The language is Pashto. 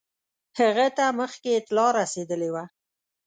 هغه ته مخکي اطلاع رسېدلې وه.